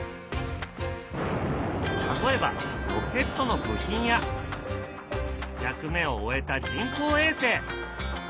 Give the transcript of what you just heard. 例えばロケットの部品や役目を終えた人工衛星。